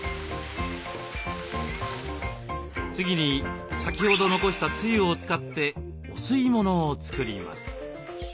次に先ほど残したつゆを使ってお吸い物を作ります。